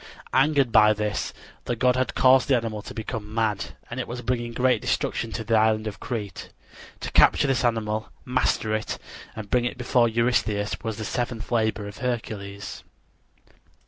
Angered by this, the god had caused the animal to become mad, and it was bringing great destruction to the island of Crete. To capture this animal, master it, and bring it before Eurystheus, was the seventh labor of Hercules.